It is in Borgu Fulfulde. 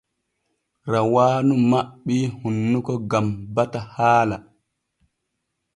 Rawaanu maɓɓii hunnuko gam bata haala.